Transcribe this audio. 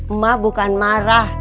emak bukan marah